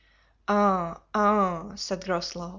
"Ah! ah!" said Groslow.